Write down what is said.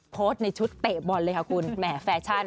โพสต์ในชุดเตะบอลเลยค่ะคุณแหมแฟชั่น